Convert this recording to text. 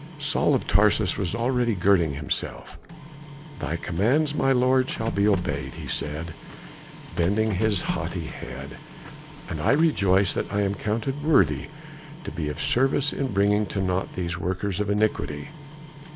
Saul of Tarsus was already girding himself. "Thy commands, my lord, shall be obeyed," he said, bending his haughty head, "and I rejoice that I am counted worthy to be of service in bringing to naught these workers of iniquity.